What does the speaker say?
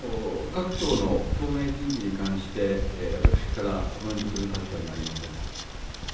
各党の党内人事に関して私からコメントする立場にありません。